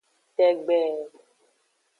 Tegbe.